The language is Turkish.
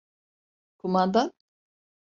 Kumandan?